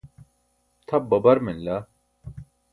tʰap babar manila